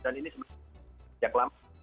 dan ini sejak lama